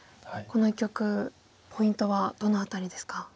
この一局ポイントはどの辺りですか？